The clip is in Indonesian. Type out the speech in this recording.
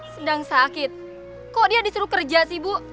sedang sakit kok dia disuruh kerja sih bu